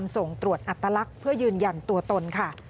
ส่งตรวจอัตลักษณ์เพื่อยืนยันตัวตนค่ะ